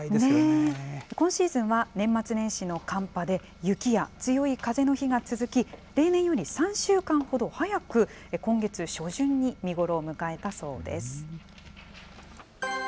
今シーズンは年末年始の寒波で、雪や強い風の日が続き、例年より３週間ほど早く今月初旬に見頃を迎えたそうです。